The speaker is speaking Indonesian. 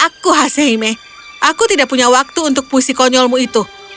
aku hasehime aku tidak punya waktu untuk puisi konyolmu itu